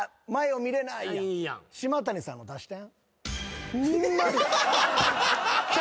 島谷さんの出して。